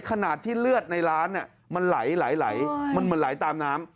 ขนาดที่เลือดในร้านเนี่ยมันไหลมันไหลตามน้ำ